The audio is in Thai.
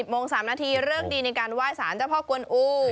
โมง๓นาทีเลิกดีในการไหว้สารเจ้าพ่อกวนอู